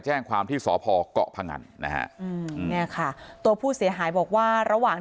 แจ้งความที่สพกเพงันนะฮะตัวผู้เสียหายบอกว่าระหว่าง